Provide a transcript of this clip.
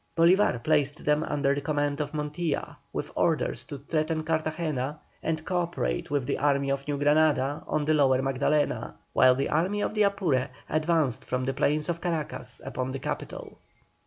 Bolívar placed them under the command of Montilla, with orders to threaten Cartagena and co operate with the Army of New Granada on the Lower Magdalena, while the Army of the Apure advanced from the plains of Caracas upon the capital.